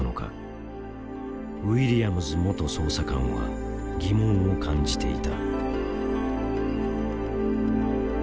ウィリアムズ元捜査官は疑問を感じていた。